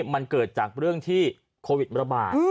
มันเกิดจากเรื่องที่โควิดระบาด